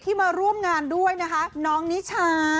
มาร่วมงานด้วยนะคะน้องนิชา